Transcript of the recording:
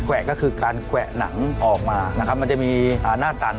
แวะก็คือการแวะหนังออกมานะครับมันจะมีหน้าตัน